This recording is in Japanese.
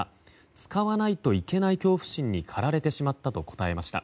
使わないといけない恐怖心に駆られてしまったと答えました。